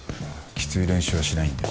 きつい練習はしないんで。